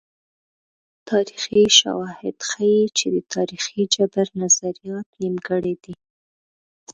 تاریخي شواهد ښيي چې د تاریخي جبر نظریات نیمګړي دي.